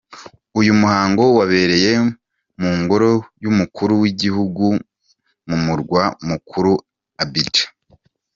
Uyu muhango wabereye mu ngoro y’Umukuru w’Igihugu mu murwa mukuru, Abidjan.